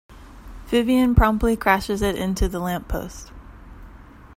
Vyvyan promptly crashes it into the lamppost.